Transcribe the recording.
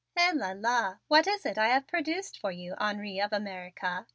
"Eh, la la, what is it I have produced for you, Henri of America?